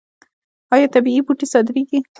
آیا طبیعي بوټي صادریږي؟